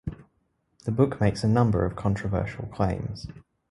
The book makes a number of controversial claims.